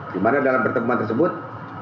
dimana dalam ketemuan tersebut